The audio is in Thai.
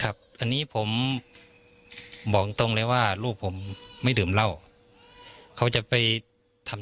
ครับอันนี้ผมบอกตรงตรงเลยว่าลูกผมไม่ดื่มเหล้าเขาจะไปทำ